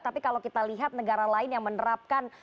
tapi kalau kita lihat negara lain yang menerapkan